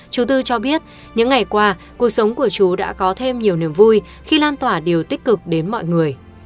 chú tư cho biết những ngày qua cuộc sống của chú đã có thêm nhiều niềm vui khi lan tỏa điều tích cực đến mọi người